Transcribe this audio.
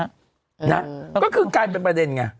ก็คือกลายเป็นประเด็นไง